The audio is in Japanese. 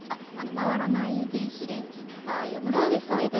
回らない電子レンジの場合はムラが出る。